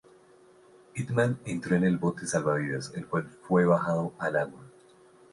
Pitman entró en el bote salvavidas, el cual fue bajado al agua.